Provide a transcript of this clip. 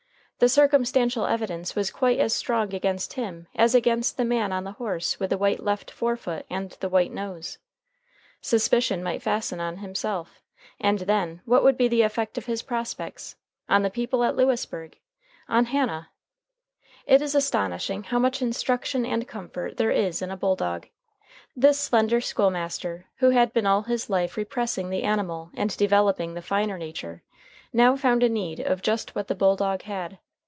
The circumstantial evidence was quite as strong against him as against the man on the horse with the white left forefoot and the white nose. Suspicion might fasten on himself. And then what would be the effect on his prospects? On the people at Lewisburg? On Hannah? It is astonishing how much instruction and comfort there is in a bulldog. This slender school master, who had been all his life repressing the animal and developing the finer nature, now found a need of just what the bulldog had.